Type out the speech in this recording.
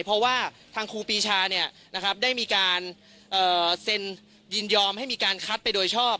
เพราะว่าทางครูปีชาได้มีการเซ็นยินยอมให้มีการคัดไปโดยชอบ